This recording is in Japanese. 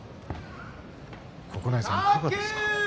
九重さん、いかがですか？